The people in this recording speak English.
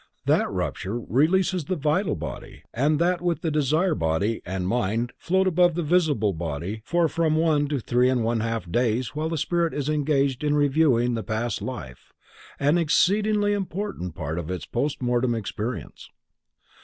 That rupture releases the vital body, and that with the desire body and mind float above the visible body for from one to three and one half days while the spirit is engaged in reviewing the past life, an exceedingly important part of its post mortem experience.